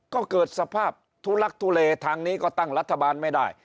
ก็เกิดสภาพทุลักทุเลทางนี้ก็ตั้งรัฐบาลไม่ได้